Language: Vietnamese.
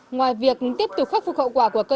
ngoài việc tiếp tục khắc phục hậu quả của các tỉnh